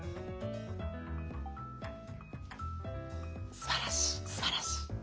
すばらしいすばらしい。